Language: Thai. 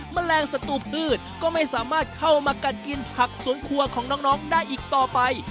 แมลงศัตรูพืชก็ไม่สามารถเข้ามากัดกินผักสวนครัวของน้องได้อีกต่อไป